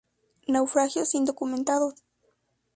Naufragios indocumentados.